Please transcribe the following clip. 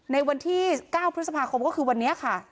ในวันที่๙พฤษภาคมก็คือวันนี้ค่ะ